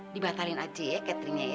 dibatarin aja ya cateringnya ya